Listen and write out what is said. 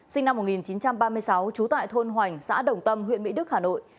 sinh năm một nghìn chín trăm ba mươi sáu trú tại thôn hoành xã đồng tâm huyện mỹ đức hà nội